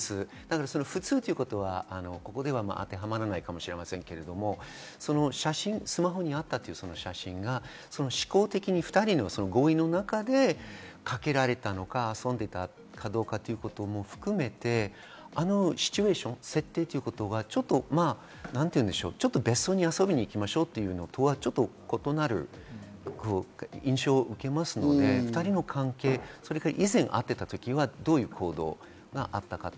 普通ということは、ここでは当てはまらないかもしれませんけれども、写真、スマホにあった写真が指向的に２人の合意の中でかけられたのか、遊んでいたかどうかも含めてあのシチュエーションが別荘に遊びに行きましょうというのとは異なる印象を受けますので２人の関係、それから以前会っていた時はどういう行動があったのか。